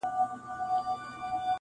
• دوست ته حال وایه دښمن ته لافي وهه -